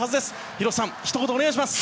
広瀬さん、ひと言お願いします。